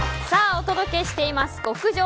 お届けしています極上！